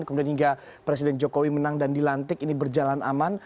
kemudian hingga presiden jokowi menang dan dilantik ini berjalan aman